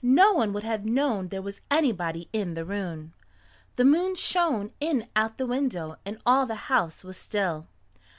No one would have known there was anybody in the room. The moon shone in at the window and all the house was still.